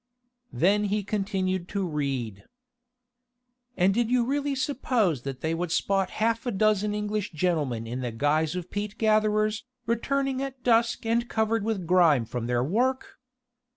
Then he continued to read: "'And did you really suppose that they would spot half a dozen English gentlemen in the guise of peat gatherers, returning at dusk and covered with grime from their work?